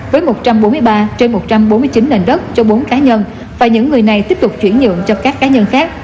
với một trăm bốn mươi ba trên một trăm bốn mươi chín nền đất cho bốn cá nhân và những người này tiếp tục chuyển nhượng cho các cá nhân khác